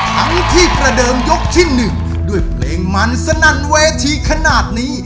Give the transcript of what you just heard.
ทั้งที่ประเดิมยกที่๑ด้วยเพลงมันสนั่นเวทีขนาดนี้